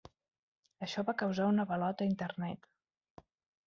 Això va causar un avalot a Internet.